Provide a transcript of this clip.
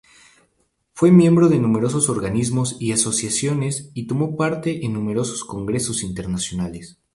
Fue miembro de numerosos organismos y asociaciones y tomó parte en numerosos congresos internacionales.